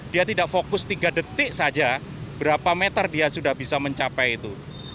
dia tidak fokus tiga detik saja berapa meter dia sudah bisa mencapai itu